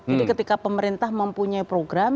jadi ketika pemerintah mempunyai program